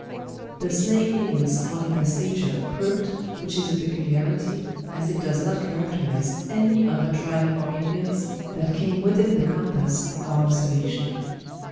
The Snake Indians are in their stature crooked, which is a peculiarity, as it does not characterize any other tribe or Indians, that came within the compass of our observation.